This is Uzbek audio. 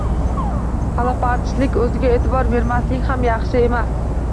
Pala-partishlik, o‘ziga e’tibor bermaslik ham yaxshi emas.